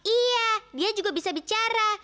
iya dia juga bisa bicara